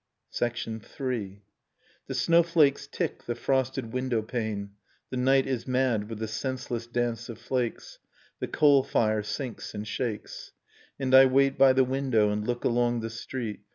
III. \ The snowflakes tick the frosted windowpane, i The night is mad with the senseless dance of flakes, i The coal fire sinks and shakes; I And I wait by the window, and look along the street.